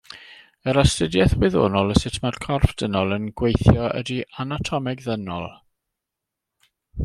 Yr astudiaeth wyddonol o sut mae'r corff dynol yn gweithio ydy anatomeg ddynol.